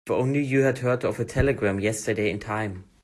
If only you had heard of the telegram yesterday in time!